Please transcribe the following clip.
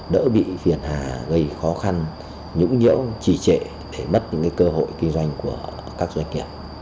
để có những kế hoạch